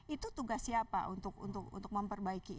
itu tugas siapa untuk memperbaiki